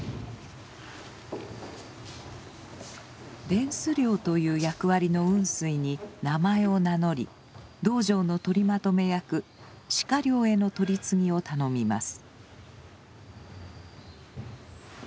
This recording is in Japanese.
殿司寮という役割の雲水に名前を名乗り道場のとりまとめ役知客寮への取り次ぎを頼みます。